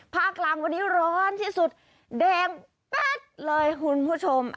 กลางวันนี้ร้อนที่สุดแดงแป๊ดเลยคุณผู้ชม